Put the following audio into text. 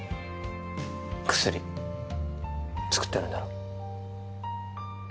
薬作ってるんだろ？